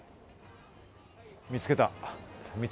見つけた。